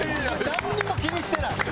なんにも気にしてない。